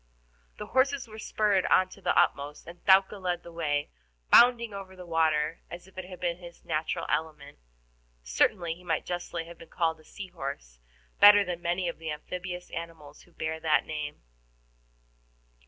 The horses were spurred on to the utmost, and Thaouka led the way, bounding over the water as if it had been his natural element. Certainly he might justly have been called a sea horse better than many of the amphibious animals who bear that name.